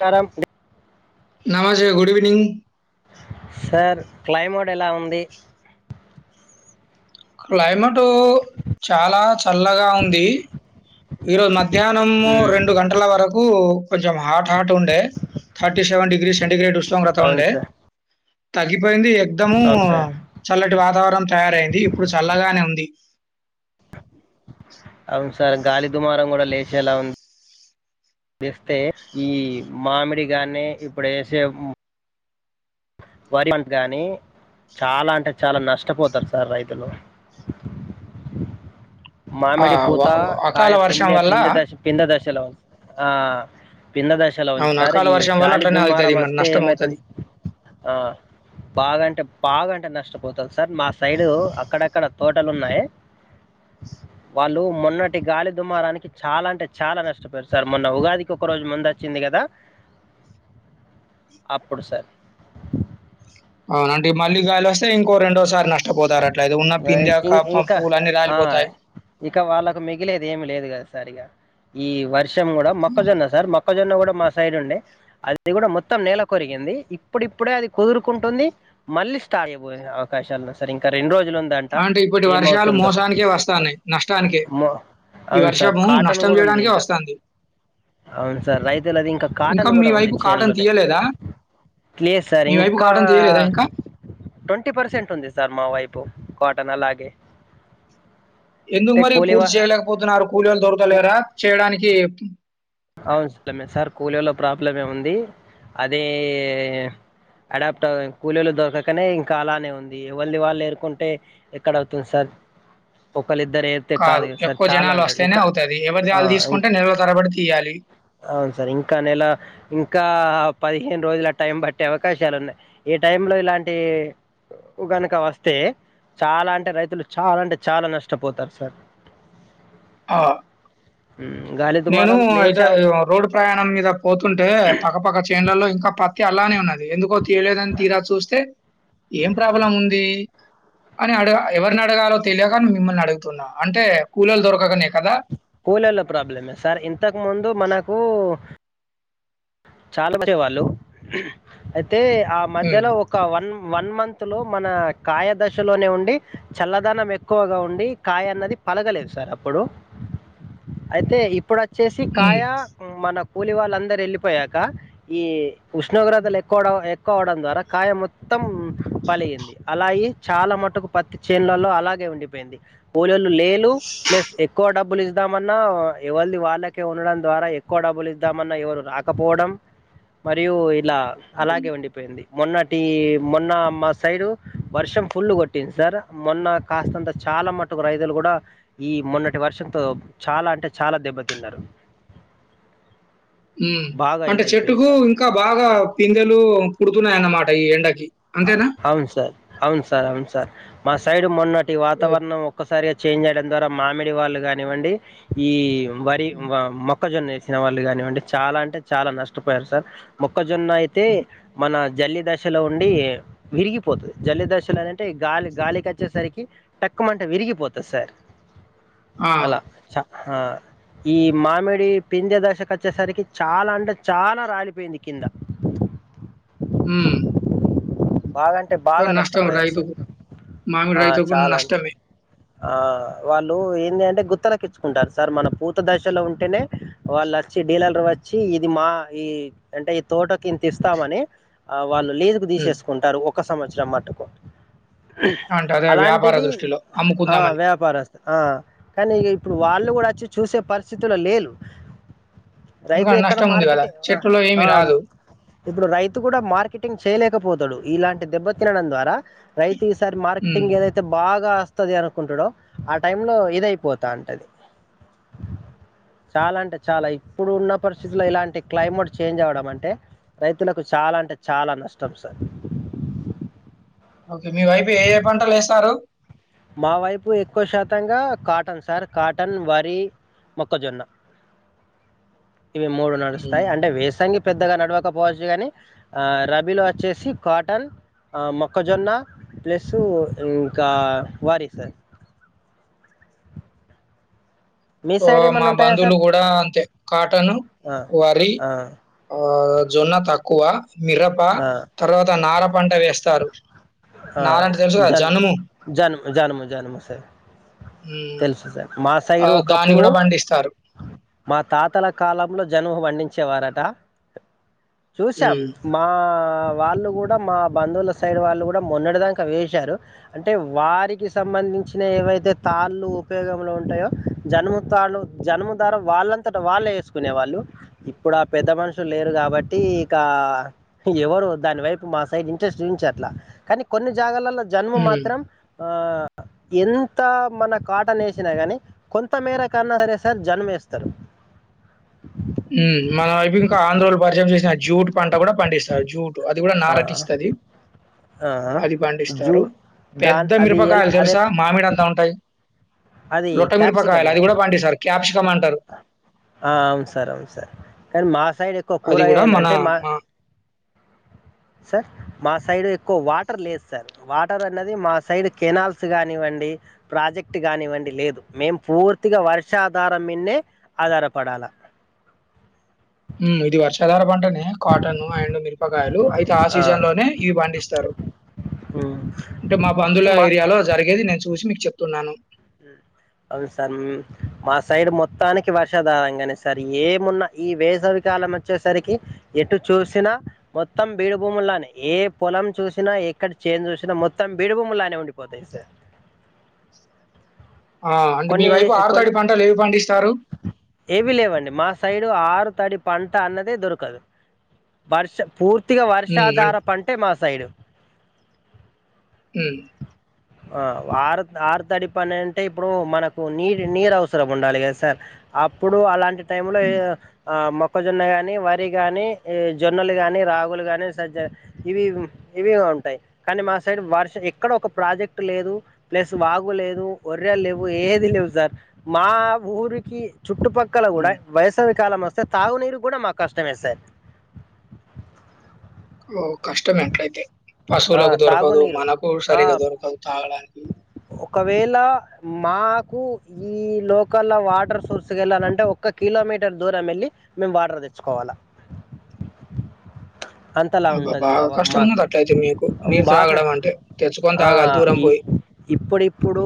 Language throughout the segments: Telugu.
కరమ్పు నమ జె గుడ్ ఈవినింగ్ సార్ క్లైమేట్ ఎలా ఉంది క్లైమేటు చాలా చల్లగా ఉంది ఇరోజ మ మధ్యాహ్నము మ్మ్. రెండు గంటల వరకు కొంచెం హాట్ హాట్ ఉండే థర్టీ సెవెన్ డిగ్రీ సెంటిగ్రేడ్ వస్త చో వ్రతం అవును అండి సార్ త గిప్ అయిపోయింది యుగ్దము అవును సార్ చల్లటి వాతావరణం తయారయింది ఇప్పుడు చల్లగానే ఉంది [inaudible] అవును సార్ గాలి దుమారం కూడా లేచే ఎలా ఉంది ఇస్తే ఈ మామిడిగానే ఇప్పుడే వేసే వరి పంట్ గాని చాలా అంటే చాలా నష్టపోతారు సార్ రైతులు ఆ! మామిడి వ పూత వ- కాయ అకాల వర్షం పిందే వల్ల పిందె దశ పింద దశలో ఉంది ఆ పింద దశలో ఉంది అవును. సార్ అకాల ఈ వర్షం వల్ల గాలి అట్లనే దుమ్మారం అయితది మరి వస్తే ఏమైతుంది నష్టమవుతది. ఆ బాగాంటే బాగాంటే నష్టం పోతంది సార్ మా సైడ్ అక్కడక్కడ తోటలు ఉన్నాయి వాళ్ళు మొన్నటి గాలి దుమారానికి చాలా అంటే చాలా నష్టపోయారు సార్ మొన్న ఉగాదికి ఒక రోజు ముందు వచ్చింది కదా అప్పుడు సార్ అవునండి మళ్ళీ గాలి వస్తే ఇంకో రెండోసారి నష్టం ఇం ఇంకా పూలన్నీ ఆ రాలిపోతాయి. ఇక వాళ్ళకు మిగిలేది ఏమి లేదు కదా సార్ ఇగ ఈ వర్ విషయం కూడా మొక్కజొన్న సార్ మక్క మొక్కజొన్న కూడా మా సైడ్ ఉండే అది కూడా మొత్తం నేల కొొరిగింది ఇప్పుడిప్పుడే అది కుదురుకుంటుంది మళ్ళీ స్టాార్బయే అవకాశాలు వాయి సరే ఇంకా రెండ్ రోజ్ చిలు ఉందంట అంటే ఇప్పటి వర్షాలు ఏమవుతుందో మోసానికే వస్తాన్నాయి. నష్టానికే. ఈ అవును సార్ వర్షము కాటన్ నష్టం కూడా ఉంది ఇం జేయడానికే వస్తాంది. అవును సార్ రైతులది ఇంకా కాటన్ మీ కూడా ఉంది వైపు చన్ లో కాటన్ తీయలేదా? లేదు సార్ మీ వైపు ఇంకా కాటన్ తీయలేదా ఇంకా? ట్వంటీ పర్సెంట్ ఉంది చర్మ వైపు కాటన్ అలాగే ఎందుకు అంటే మరి కూలీ వా పూర్తి చేయలేకపోతున్నారు కూలీ వోళ్ళు కూ- దొరకలేరాా చేయడానికి [inaudible] అవును సే సార్ కూలీల్లో ప్రాబ్లమే ఉంది అదే అడాప్ట్ అ కూలీలు దొరకకనే ఇంకా అలానే ఉంది ఎవళది వాళ్ళు ఎరుకుంటు ఎక్కడ అవుతుంది సార్ ఓ కాదు ఎక్కువ జనాలు వస్తేనే ఇంకా అవుతది ఎవరి ఆ, దళ ఇం- తీసుకుంటే నేలల తరబడి తీయాలి అవును సార్ ఇంకా నెలా ఇంకా పదిహేను రోజుల టైం పట్టే అవకాశాలు ఉన్నాయి ఈ టైం లో ఇలాంటి ఎక్కుకనుక వస్తే చాలా అంటే రైతులు చాలా అంటే చాలా నష్టపోతారు సార్ ఆ! గాలి నేను తుమారం లేదు అయితే రోడ్డు ప్రయాణం మీద పోతుంటే పక్కపక్క చేన్ డ్లలో ఇంకా పత్తి అలానే ఉన్నది ఎందుకో తీయలేడని తీరా చూస్తే ఏం ప్రాబ్లం ఉంది అని అడ ఎవరిని అడగాలో తెలియక మిమ్మల్ని అడుగుతున్నా అంటే కూలొల్లు దొర కకనే కదా కూలొల్ల ప్రాబ్లమే సార్ ఇంతకు ముందు మనకు చాలా వచ్చే వాళ్లు అయితే ఆ హ్మ్. మధ్యలో ఒక వన్ వన్ మంత్ లో మన కాయ దశలోనే ఉండి చల్లదనం ఎక్కువగా ఉండి కాయ అన్నది పలగలేదు సార్ అప్పుడు అయితే ఇప్పుడు చేసి హ్మ్. కాయ మనకు పూలి వాళ్ళందరు వెళ్ళి పోయాక ఈ ఉష్ణోగ్రతలు హ్మ్. ఎక్కవవడ వడం ద్వారా కాయ మొత్తం పలిగింది అలా అయ్యి చాలా మటుకు పత్తి చేండ్లలో అలాగే ఉండిపోయింది కూలొల్ లేలు ప్లస్ ఎక్కువ డబ్బులు ఇ ద్దామన్నా ఎవళది వాళ్ళకే ఉండడం ద్వారా ఎక్కువ డబ్బులు ఇద్దామన్నా ఎవరు రాక కపోవడం మరియు ఇలా హ్మ్. అలాగే వండిపోయింది మొన్నటి మొన్న మా సైడు వర్షం ఫుల్ కొట్టింది, సార్ మొన్న కాస్తంత. చాలా మటుకు రైతులు కూడా ఈ మొన్నటి వర్షంతో చాలా అంటే చాలా దెబ్బతిన్నారు. ఉమ్ బాగా అంటే ఇదయిపోయింది చెట్టుకు సార్ ఇంకా బాగా పిందెలు పుడుతున్నాయన్నమాట ఈ ఎండక్ అవును సార్ అవును సార్ అవును సార్ మా సైడ్ మొన్న టి ఓహ్! వాతావరణం ఒక్కసారిగ చేంజ్ చేయడం ద్వారా మామిడి వాళ్ళు కానివ్వండి ఈ వరి హ్మ్. మా మొ మొక్కజొన్న ఏసిన వాళ్ళు కానివ్వండి చాలా అంటే చాలా నష్టపోయారు సార్ మొక్కజొన్న అయితే హ్మ్. మన జల్లి దశలో నుండి విరిగిపోద్ది జల్లి దశలు అనింటే గాలి గాలికి వచ్చేసరికి తక్కు మంట విరిగిపోతుంది సార్ ఆ! అలా చ ఆ ఈ మామిడి పిందె దశకు వచ్చేసరికి చాలా అంటే చాలా రాలిపోయింది కింద ఉ బాగా అంటే బాగా [inaudible] నష్టం నష్టపోయారు సార్. రైతుకు మామిడి ఆ! రైతుకు కూడా చాలా నష్టమే ఆ వాళ్ళు ఏంది అంటే గుత్తలకిచ్చుకుంటారు సార్ మన పూత దశలో ఉంటేనే వాళ్ళ వచ్చి డీలర్ హ్మ్. వచ్చి ఇది మా ఈ అంటే ఈ తోట కింతిస్తామని ఆ వాళ్ళు లీజుకు హ్మ్. తీసేస్ టారు ఒక సంవత్సరం మట్టుకు అంటే [unintelligible] అదే వ్యాపార అలాంటిది దృష్టిలో ఆ అమ్ముకుందామని. వ్యాపారస్తు ఆ కానీ ఇప్పుడు వాళ్ళు కూడా అచ్చి చూసే పరిస్థితుల లేలు రైతు ఎందుకంటే ఎక్కడ నష్టం ఉంది కదా మార్కెటింగ్ ఆ! చెట్టుల్లో ఆ! ఏమి రాదు ఇప్పుడు రైతు కూడా మార్కెటింగ్ చేయలేకపోతడు ఇలాంటి దెబ్బ తినడం ద్వారా రైతు ఈ సారి హ్మ్. మార్కెటింగ్ ఏదైతే బా గాస్తది ది అనుకుంటడు ఆ టై లో ఇదయిపోతాంటది చాలా అంటే చాలా ఇప్పుడు ఉన్న పరిస్థితులో ఇలాంటి క్లైమేట్ చేంజ్ అవడం అంటే రైతులకు చాలా అంటే చాలా నష్టం సార్ ఓకే మీ వైపు ఏ ఏ పంటలు ఏస్తారు మా వైపు ఎక్కువ శాతంగా కాటన్ సార్ కాటన్, వరి, మొక్కజొన్న. ఇవి మూడు హ్మ్. నడుస్తాయి అంటే వేసంగి పెద్దగా నడవకపోవచ్చు కానీ ఆ రబీలో వచ్చేసి కాటన్ అ మొక్కజొన్న ప్లస్సు ఇంకా వారి సార్ మీ ఆ సైడ్ మా ఏమన్నా ఉంటాయా బంధువులు సార్ కూడా అంతే కాటన్ ఆ, వరి ఆ, ఆ జొన్న తక్కువ మిరప ఆ, తర్వాత నార పంట వేస్తారు [inaudible] ఆ నార అంటే తెలుసు గదా! జన్ జనుము. జన్ము జన్ము జన్ము సార్ హ్మ్. తెలుసు సార్ మాస ఆ! సైడ్ దాన్ని ఒకప్పుడు గూడా పండిస్తారు. మా తాతల కాలంలో జన్మ పండించె వారటా చూసాం హ్మ్. మా అ వాళ్ళు కూడా మా బంధువుల సైడ్ వాళ్ళు కూ డ మొన్నటి దాక వేశారు, అంటే వారికి సంబంధించిన ఏవైతే తాళ్ళు ఉపయోగంలో ఉంటాయో జన్ము తాళ జన్ము ద్వారా వాళ్ళంతట వాళ్లే ఏసుకునే వాళ్ళు, ఇప్పుడు ఆ పెద్ద మనుషులు లేరు కాబట్టి ఇక ఎవరు దాని వైపు మా సైడ్ ఇంట్రెస్ట్ చూంచట్ల. కానీ కొన్ని జాగలల జన్ము హ్మ్. మాత్రం ఆ ఎంత మన కాటన్ వేసినా కానీ కొంతమేర కన్నా సరే సార్ జన్మేస్తరు ఉ మన వైపు ఇంకా ఆంధ్రోలు పరిచయం చేసిన జ్యూటు పంట కూడా పండిస్తార్ జూట్ అది కూడా ఆ. నారకిస్తది ఆ అది జూ పండిస్తారు దాన్ పెద్ద అది ఎలా మిరపకాయలు అదే తెలుసా మామిడ అంతా ఉంటాయి అది లొట క్యాప్సికం మీరుపకాయలు అది కూడా లాంటిది పండిస్తారు క్యాప్షూ జమంటరు ఆ అవును సార్ అవును సార్ కానీ మా సైడ్ ఎక్కువ అది గూడా కూరగాయాల మన అంటే మా సర్ మా సైడ్ ఎక్కువ వాటర్ లేదుస్తారు వాటర్ అనేది మా సైడ్ కెనాల్స్ కానివ్వండి ప్రాజెక్ట్ కానివ్వండి లేదు మేము పూర్తిగా వర్షాధారం మీనే ఆధారపడాలా ఉమ్ ఇది పారు చదర పంటని కాటన్ ఆయన్ను మిర్పకాయి లో అయితే ఆ సీజన్ లోనే ఇవి పండిస్తారు హ్మ్. అంటే మా అయితే బంధుల మా ఏరియాలో జరిగేది నేను చూసి మీకు చెప్తున్నాను అవును సార్ మా సైడ్ మొత్తానికి వర్షాధారంగానే సార్ ఏమున్నా ఈ వేసవి కాలం వచ్చేసరికి ఎటు చూసినా మొత్తం బీడి భూములానే ఏ పొలం చూసినా ఎక్కడ చేను చూసినా మొత్తం బీడి భూములానే ఉండిపోతాయి సార్ ఆ అంటే మీ కొన్ని వైపు ఆరు కొన్ని తటి పంటలు ఏవి పండిస్తారు అడి పంటంట అన్నదే దొరకదు వర్ష పూర్తి కొత్తిగా హ్మ్. అన్ వర్షాధార పంటే మా సైడు ఉమ్ ఆ ఆర ఆరత్ అడి పన్నెంట అప్పుడు మనకు నీర నీరు అవసరం ఉండాలి కదా సార్ అప్పుడు అలాంటి టిమ్ లో హ్మ్. పక్కజొన్న కాగాని వరి కాగాని జొన్నలు గాని రాగులు కాగాని సజ్జ ఇవి ఇవిగా ఉంటాయి కానీ మా సైడ్ వర్ష ఎక్కడ ఒక ప్రాజెక్ట్ లేదు ప్లస్ వాగు లేదు స లేవు ఏది లేవు సార్ మా ఊరికి చుట్టుపక్కల కూడా హ్మ్. వయస వ్యక్ కాలం వస్తే తాగునీరు కూడా మాకు కష్టమే సార్ ఓ కష్టం ఎట్లయితే ఆ, పశువులకు దొరకదు తాగునీరు మనకు ఆ, సరిగా దొరకదు తాగడానికి ఒకవేళ మాకు ఈ లోకల్ వాటర్ సోర్స్కి వెళ్ళాలంటే ఒక్క కిలోమీటర్ దూరం వెళ్ళి మేము వాటర్ తెచ్చుకోవాలి అంతలా ఉం అబ్బా! బాగా కష్టం ఉన్నది అట్లయితే మీకు నీరు బాగా త్రాగడం అంటే తెచ్చుకొని ఆ, తాగాలి దూరం ఈ- పోయి ఇప్పుడిప్పుడు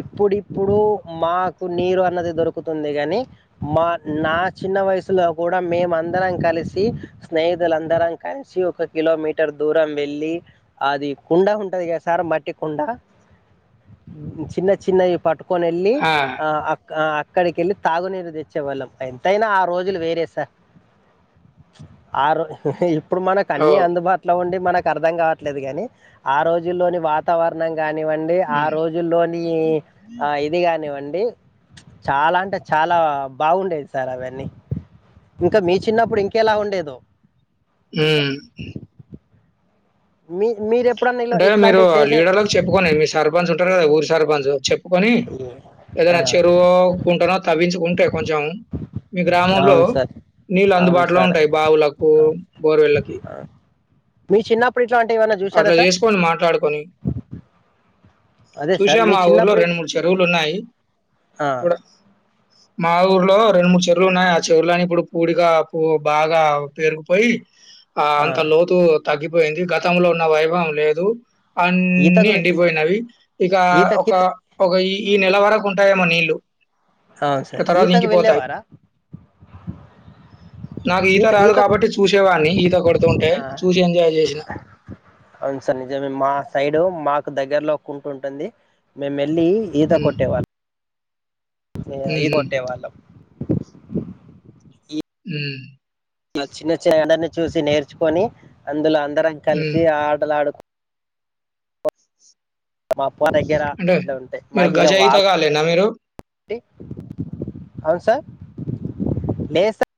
ఇప్పుడిప్పుడు మాకు నీరు అన్నది దొరుకుతుంది కాని మా నా చిన్న వయసులో కూడా మేము అందరం కలిసి స్నేహితులందరం కలిసి ఒక కిలోమీటర్ దూరం వెళ్ళి అది కుండ ఉంటుది కదా సార్ మట్టి కుండ చిన్న చిన్నవి పటు కోనల్ ఆ ఆ అక్కడికిళ్ళి తాగునీరు తెచ్చేవాళ్ళం ఎంతైనా ఆ రోజులు వేరే సార్ ఆ హు హు ఇప్పుడు మనకు అన్ని ఓహ్! అందుబాటులో ఉండే మనకు అర్ధం కావట్లేదు కాగాని ఆ రోజుల్లోని వాతావరణం కానివ్వండి ఆ హ్మ్. రోజుల్లోని ఆ ఇది కానివ్వండి చాలా అంటే చాలా బాగుండేది సార్ అవన్నీ ఇంకా మీ చిన్నప్పుడు ఇంకెలా ఉండేదు ఉమ్ మీ మీరే అంటే మీరు లీడర్ కి చెప్పుకొని మీ సర్పంచ్ ఉ టారు ఊరు సారి ప చెప్ప కని ఆ, ఏదైనా చెరువుకుంటాన తవ్వించుకుంటే కొ చాం మీ గ్రామంలో అవును సార్ నీళ్లు అవును అందుబాటులో సార్ ఉంటాయి బావులకు ఆ, బోరవెళకి ఆ. మీ చిన్నప్పుడు ఇట్లాంటివి ఏమైనా చూసారా అట్లా సార్ చేసి ట్లాడుకొని అదే సార్ చూసా మీ మా ఊర్లో చిన్నప్పుడు రెండు మూడు చెరువులున్నాయి. ఆ మా ఊర్లో రెండు మూడు చెరువులు ఉన్నాయి. ఆ చెరువులని ఇప్పుడు పూడిగా పూ బాగా పేరుగుపోయి. ఆ అంతలోతు తగ్గిపోయింది. గతంలో ఉన్న వైభవం లేద్ దు అన్నిీ ఈతకు ఎండిపోయినవి. ఇక ఈతకి ఒక ఒక ఈ ఈ నెల వరక్ ఉంటాయేమో నీళ్ళు అవును ఇక సార్ తర్వాత ఈతకు ఇంకిపోతాయి. వెళ్ళేవారా నాకు ఈత రాదు కాబట్టి చూసేవాడిని ఈత కొడుతూ ఉంటే ఆ చూసి ఎంజాయ్ చేసిన. అవును సార్ నిజమే మా సైడు మాకు దగ్గరలో ఒక్కుంటుంటుంది మే మే మా ల్లి ఈత హ్మ్. కొట్టేవాలాం మే ఇ హుహు. కొట్టేవాలాం ఉహ్ చిన్న చి అందరిని చూసి నేర్చుకొని అందులో అందరం హ్మ్. కలిసి ఆడలాడుకుంటా. మం అంటే మీరు గజాయిత గాలేనా మీరు. టి అవును సార్ లేద్ సార్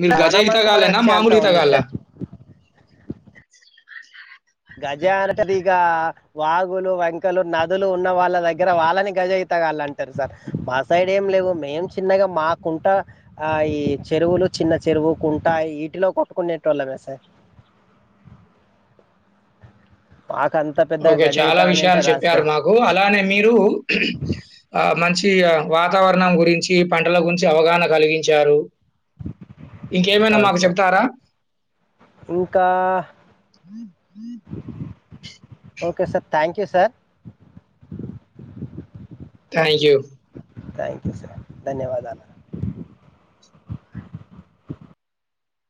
మీరు మన గజా మంది మన ఈతగాలేనా వచ్చే అంత మామూలు ఉంది ఈతగాల్ల సార్ ఆ గజ అనంటేది ఇగా వాగులు, వంకలు, నదులు ఉన్న వాళ్ళ దగ్గర వాళ్ళని గజ ఈతగాల అంటారు. సార్ మా సైడ్ ఏం లేవు మేం చిన్నగా. మా కుంట ఆ ఈ చెరువులు చిన్న చెరువు, కుంట వీటిలో కొట్టుకునేటోళ్ళమే సార్ మాక్ ఓకే చాలా విషయాలు చెప్పారు మాకు. అలానే మీరు ఆ మంచ్ వాతావరణం గురించి, పంటల గురించి అవగాహన కలిగించారు. ఇంకేమైనా అవును మాకు సార్ చెప్తారా. ఇంకా okay sir thank you sir. Thank you. Thank you sir ధన్యవాదాలు